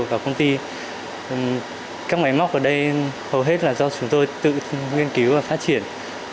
và công ty các máy móc ở đây hầu hết là do chúng tôi tự nghiên cứu và phát triển